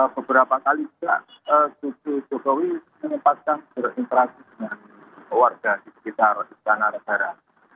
beberapa kali juga jokowi menyebabkan berinteraksi dengan warga di sekitar tanah redara